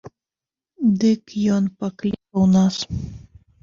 Дык ён паклікаў нас.